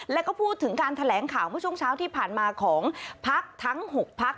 แล้วก็พูดถึงการแถลงข่าวเมื่อช่วงเช้าที่ผ่านมาของพักทั้ง๖พัก